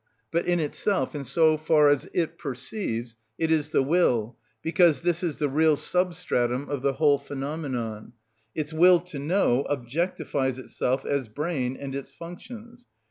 But in itself, and so far as it perceives, it is the will, because this is the real substratum of the whole phenomenon; its will to know objectifies itself as brain and its functions.